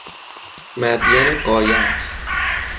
مدین غایت